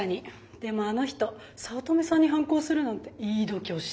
でもあの人早乙女さんに反抗するなんていい度胸してるよね。